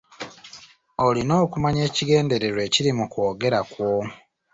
Olina okumanya ekigendererwa ekiri mu kwogera kwo.